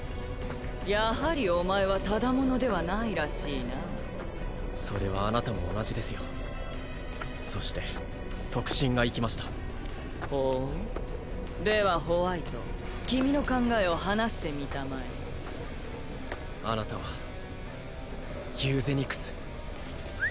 やはりお前はただ者ではないらしいなあそれはあなたも同じですよそして得心がいきましたほうではホワイト君の考えを話してみたまえあなたはユーゼニクス